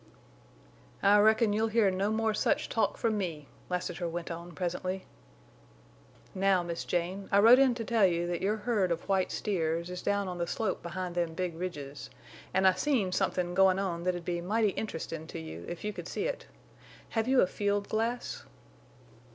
"I reckon you'll hear no more such talk from me," Lassiter went on, presently. "Now, Miss Jane, I rode in to tell you that your herd of white steers is down on the slope behind them big ridges. An' I seen somethin' goin' on that'd be mighty interestin' to you, if you could see it. Have you a field glass?"